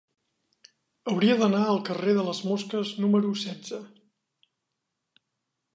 Hauria d'anar al carrer de les Mosques número setze.